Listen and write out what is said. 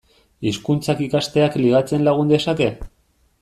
Hizkuntzak ikasteak ligatzen lagun dezake?